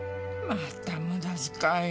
また無駄遣い。